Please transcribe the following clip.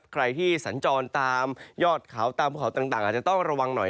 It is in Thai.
ใครที่สัญจรตามยอดเขาตามภูเขาต่างอาจจะต้องระวังหน่อย